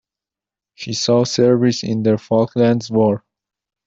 She saw service in the Falklands War.